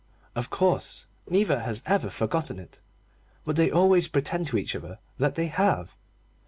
Of course neither has ever forgotten it, but they always pretend to each other that they have.